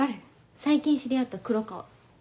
最近知り合った黒川。